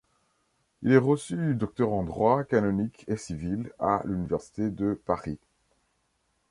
Il est reçu docteur en droit canonique et civil à l'Université de Paris.